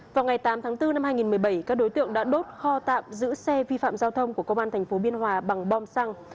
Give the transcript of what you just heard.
vào ngày tám tháng bốn năm hai nghìn một mươi bảy các đối tượng đã đốt kho tạm giữ xe vi phạm giao thông của công an tp biên hòa bằng bom xăng